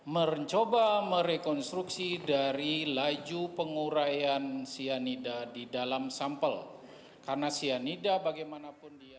mencoba merekonstruksi dari laju penguraian cyanida di dalam sampel karena cyanida bagaimanapun dia